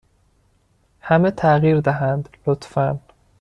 همه تغییر دهند، لطفا.